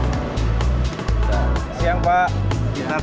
tidak perlu mengekalkan atau mengekalkan kartu jaklingko m delapan